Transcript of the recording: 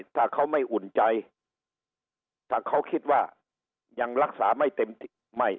ถ้าเขาไม่อุ่นใจถ้าเขาคิดว่ายังรักษาไม่เต็มไม่